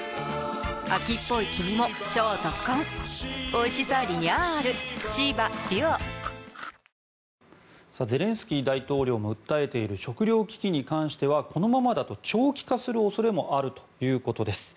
ロシアがオデーサを攻撃することでゼレンスキー大統領も訴えている食糧危機に関してはこのままだと長期化する恐れもあるということです。